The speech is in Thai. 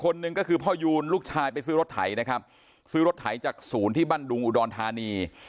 ลูกชายไปซื้อรถไถนะครับซื้อรถไถจากศูนย์ที่บรรดุงอุดรธานี